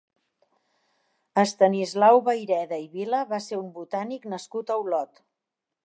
Estanislau Vayreda i Vila va ser un botànic nascut a Olot.